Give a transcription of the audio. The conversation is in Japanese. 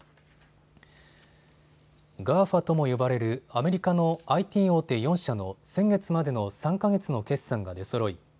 ＧＡＦＡとも呼ばれるアメリカのＩＴ大手４社の先月までの３か月の決算が出そろい